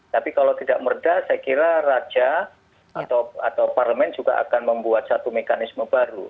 tapi kalau tidak merda saya kira raja atau parlemen juga akan membuat satu mekanisme baru